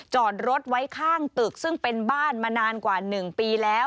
จอดรถไว้ข้างตึกซึ่งเป็นบ้านมานานกว่า๑ปีแล้ว